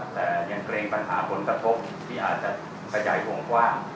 แต่ยังเกรงปัญหาผลกระทบที่อาจจะขยายวงกว้าง